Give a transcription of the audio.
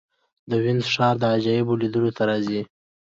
د وینز ښار د عجایبو لیدو ته راځي.